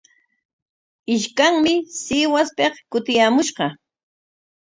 Ishkanmi Sihuaspik kutiyaamushqa.